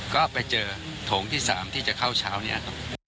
ก็ไปเจอโถงที่สามที่จะเข้าเช้าเนี่ย